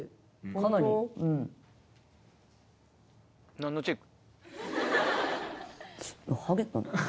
何のチェック？